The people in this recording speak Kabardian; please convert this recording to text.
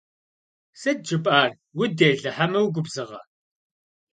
Sıt jjıp'er? Vudêle heme vugubzığe?